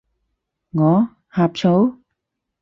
我？呷醋？